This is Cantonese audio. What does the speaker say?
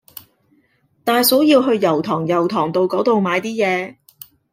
大嫂要去油塘油塘道嗰度買啲嘢